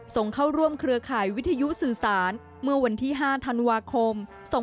ส่งเข้าร่วมเครือข่ายวิทยุสื่อสารเมื่อวันที่๕ธันวาคม๒๕๖๒